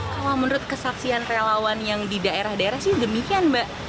kalau menurut kesaksian relawan yang di daerah daerah sih demikian mbak